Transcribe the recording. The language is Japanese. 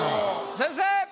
先生！